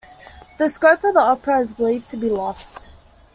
The score of the opera is believed to be lost.